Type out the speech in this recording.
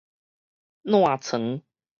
躽床